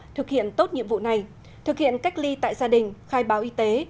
thực hiện tốt nhiệm vụ này thực hiện cách ly tại gia đình khai báo y tế